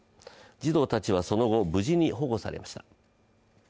児童たちはその後、無事に保護されました。